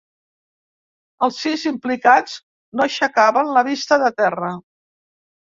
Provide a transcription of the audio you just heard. Els sis implicats no aixecaven la vista de terra.